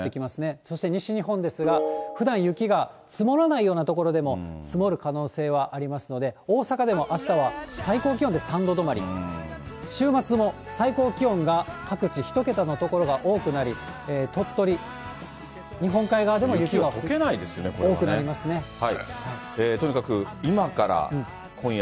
そして西日本ですが、ふだん雪が積もらないような所でも積もる可能性はありますので、大阪でもあしたは最高気温で３度止まり、週末も最高気温が各地１桁の所が多くなり、鳥取、全国の皆さん、こんにちは。